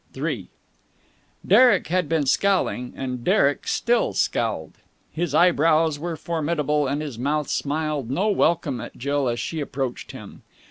III Derek had been scowling, and Derek still scowled. His eyebrows were formidable, and his mouth smiled no welcome at Jill as she approached him.